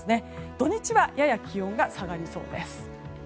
土日はやや気温が下がりそうです。